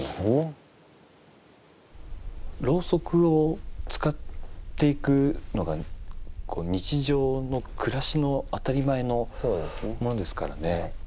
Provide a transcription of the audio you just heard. ろうそくを使っていくのが日常の暮らしの当たり前のものですからね。